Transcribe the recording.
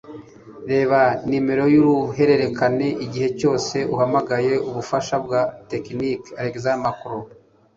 reba nimero yuruhererekane igihe cyose uhamagaye ubufasha bwa tekiniki. (alexmarcelo